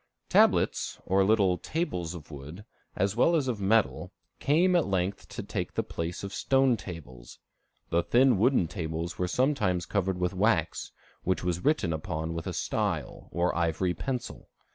Tablets, or little tables of wood, as well as of metal, came at length to take the place of stone tables. The thin wooden tables were sometimes covered with wax, which was written upon with a style, or ivory pencil.